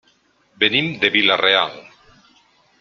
Venim de Vila-real.